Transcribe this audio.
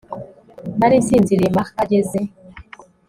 Nari nsinziriye Mark ageze